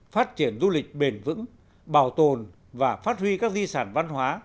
phát triển du lịch bền vững bảo tồn và phát huy các di sản văn hóa